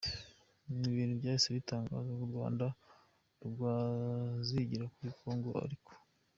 Nti bintu byahise bitangazwa u rwanda rwazigirakuri Congo ariko .